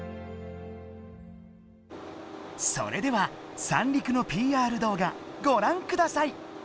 それでは三陸のＰＲ動画ご覧ください！